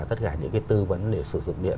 tất cả những cái tư vấn để sử dụng điện